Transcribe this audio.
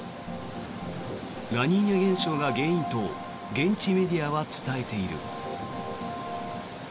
ラニーニャ現象が原因とも現地メディアは伝えている。